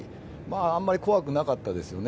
あんまり怖くなかったですよね。